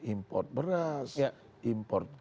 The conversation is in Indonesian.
import beras import gula dan lain sebagainya